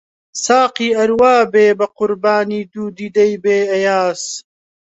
ساقی ئەر وا بێ بە قوربانی دوو دیدەی بێ، ئەیاز